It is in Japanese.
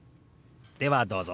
ではどうぞ！